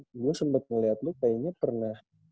gue sempet ngeliat lu kayaknya pernah